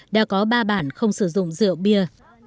đã có ba bản không sử dụng rượu bia